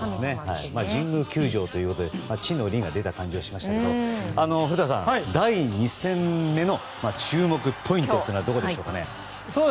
神宮球場ということで地の利が出た感じがしましたが古田さん、第２戦目の注目ポイントはどこでしょうか。